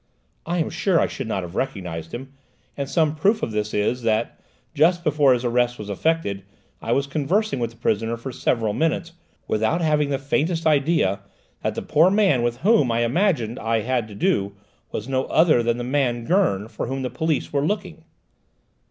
"I am sure I should not have recognised him; and some proof of this is, that just before his arrest was effected I was conversing with the prisoner for several minutes, without having the faintest idea that the poor man with whom I imagined I had to do was no other than the man Gurn for whom the police were looking."